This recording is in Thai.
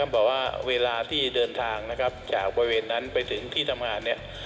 บอกว่าเวลาที่เดินทางนะครับจากบริเวณนั้นไปถึงที่ทำงานเนี่ย